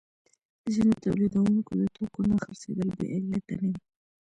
د ځینو تولیدونکو د توکو نه خرڅېدل بې علته نه دي